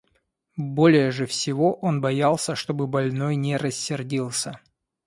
Более же всего он боялся, чтобы больной не рассердился.